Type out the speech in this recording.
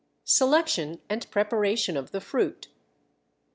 SELECTION AND PREPARATION OF THE FRUIT.